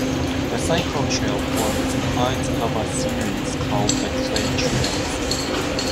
The cycle trail forms part of a series called the Clay Trails.